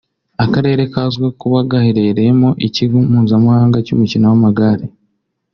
Akarere kazwiho kuba gaherereyemo ikigo mpuzamahanga cy’umukino w’amagare